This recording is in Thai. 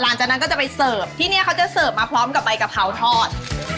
หลังจากนั้นก็จะไปเสิร์ฟที่นี่เขาจะเสิร์ฟมาพร้อมกับใบกะเพราทอด